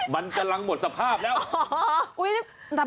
มันกำลังหมดสภาพแล้ว